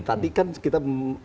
tadi kan kita